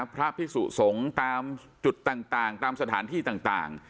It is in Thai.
พระพิสุสงฆ์ตามจุดต่างตามสถานที่ต่าง